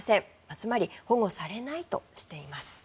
つまり保護されないとしています。